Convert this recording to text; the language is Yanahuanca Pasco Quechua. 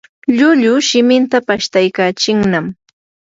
lllullu shimintan pashtaykachinnam.